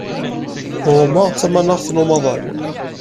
Roma d tamaneɣt n umaḍal.